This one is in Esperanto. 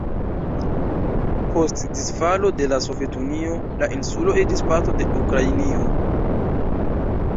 Post disfalo de la Sovetunio, la insulo iĝis parto de Ukrainio.